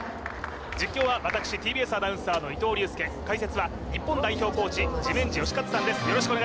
実況は私ＴＢＳアナウンサーの伊藤隆佑解説は日本代表コーチ治面地良和さんです